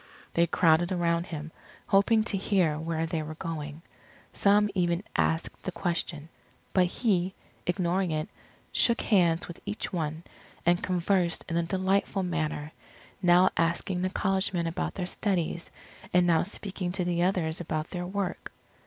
They crowded around him, hoping to hear where they were going. Some even asked the question. But he, ignoring it, shook hands with each one, and conversed in a delightful manner, now asking the college men about their studies, and now speaking to the others about their work.